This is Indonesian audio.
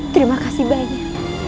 terima kasih banyak